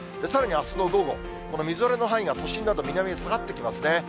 さらにあすの午後、このみぞれの範囲が都心など南へ下がってきますね。